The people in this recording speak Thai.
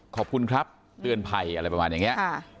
ขอบคุณครับเตือนภัยอะไรประมาณอย่างนี้